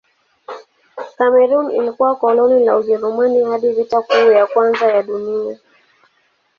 Kamerun ilikuwa koloni la Ujerumani hadi Vita Kuu ya Kwanza ya Dunia.